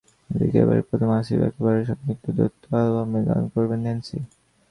এদিকে এবারই প্রথম আসিফ আকবরের সঙ্গে একটি দ্বৈত অ্যালবামে গান করবেন ন্যান্সি।